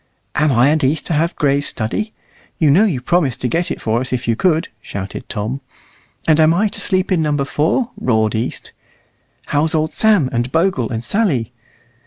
"Am I and East to have Gray's study? You know you promised to get it for us if you could," shouted Tom. "And am I to sleep in Number 4?" roared East. "How's old Sam, and Bogle, and Sally?"